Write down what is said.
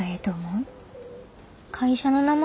会社の名前？